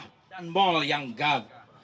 dan di dekat rumah rumah nelayan jakarta